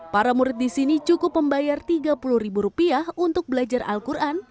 para murid di sini cukup membayar tiga puluh ribu rupiah untuk belajar al quran